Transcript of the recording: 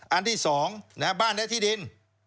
อันที่สองบ้านในที่ดิน